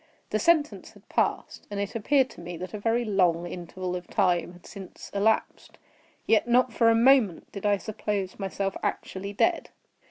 The sentence had passed; and it appeared to me that a very long interval of time had since elapsed. Yet not for a moment did I suppose myself actually dead.